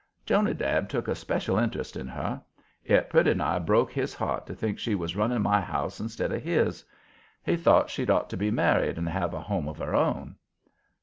Jonadab took a special interest in her. It pretty nigh broke his heart to think she was running my house instead of his. He thought she'd ought to be married and have a home of her own.